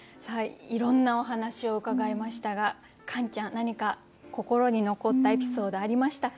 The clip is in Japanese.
いろんなお話を伺いましたがカンちゃん何か心に残ったエピソードありましたか？